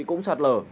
cũng sạt lở